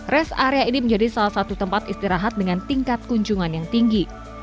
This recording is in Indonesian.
res area ini menjadi salah satu tempat istirahat dengan tingkat kunjungan yang tinggi